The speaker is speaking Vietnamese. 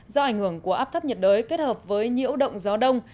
do ảnh hưởng của áp thấp nhiệt đới kết hợp với nhiễu động gió đông